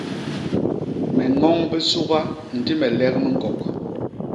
Me ñoñ bisuga ndi me lek miñkok.